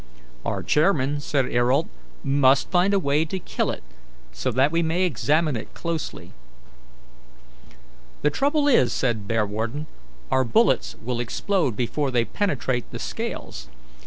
"Our chairman," said Ayrault, "must find a way to kill it, so that we may examine it closely." "The trouble is," said Bearwarden, "our bullets will explode before they penetrate the scales.